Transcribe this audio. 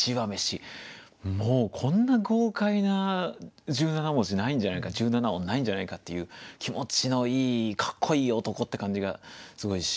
もうこんな豪快な１７文字ないんじゃないか１７音ないんじゃないかっていう気持ちのいいかっこいい男って感じがすごいしますね。